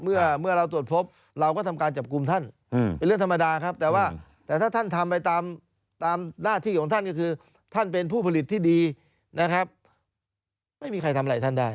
เมื่อเราตรวจพบเราก็ทำการจับกลุ่มท่านเป็นเรื่องธรรมดาครับแต่ว่าแต่ถ้าท่านทำไปตามหน้าที่ของท่านก็คือท่านเป็นผู้ผลิตที่ดีนะครับไม่มีใครทำอะไรท่านได้